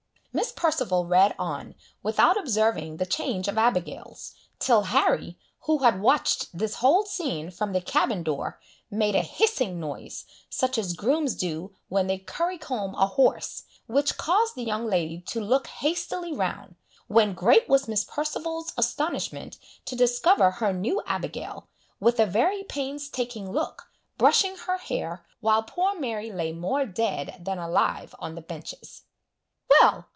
Miss Perceval read on, without observing the change of abigails, till Harry, who had watched this whole scene from the cabin door, made a hissing noise, such as grooms do when they currycomb a horse, which caused the young lady to look hastily round, when great was Miss Perceval's astonishment to discover her new abigail, with a very pains taking look, brushing her hair, while poor Mary lay more dead than alive on the benches. "Well!